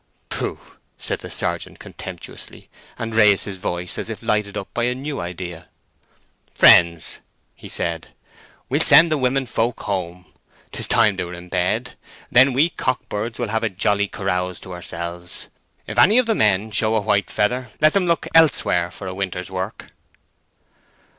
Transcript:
"Pooh!" said the sergeant contemptuously, and raised his voice as if lighted up by a new idea. "Friends," he said, "we'll send the women folk home! 'Tis time they were in bed. Then we cockbirds will have a jolly carouse to ourselves! If any of the men show the white feather, let them look elsewhere for a winter's work."